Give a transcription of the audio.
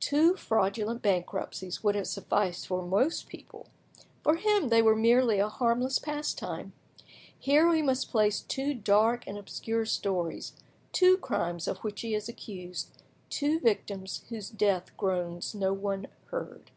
Two fraudulent bankruptcies would have sufficed for most people; for him they were merely a harmless pastime. Here we must place two dark and obscure stories, two crimes of which he is accused, two victims whose death groans no one heard.